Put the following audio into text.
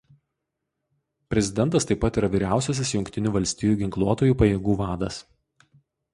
Prezidentas taip pat yra vyriausiasis Jungtinių Valstijų ginkluotųjų pajėgų vadas.